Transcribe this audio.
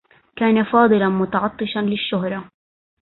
كان فاضل متعطّشا للشّهرة.